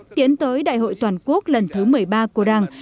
tiến tới đại hội toàn quốc lần thứ một mươi ba của đảng